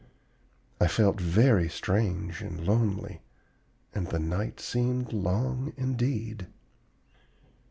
I felt very strange and lonely, and the night seemed long indeed.